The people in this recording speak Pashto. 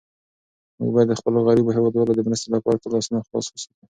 موږ باید د خپلو غریبو هېوادوالو د مرستې لپاره تل لاسونه خلاص وساتو.